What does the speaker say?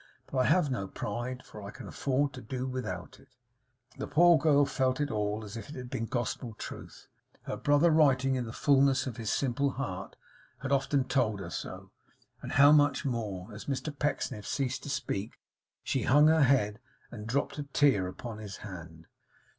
But I have no pride, for I can afford to do without it!' The poor girl felt it all as if it had been Gospel truth. Her brother writing in the fullness of his simple heart, had often told her so, and how much more! As Mr Pecksniff ceased to speak, she hung her head, and dropped a tear upon his hand.